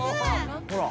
ほら。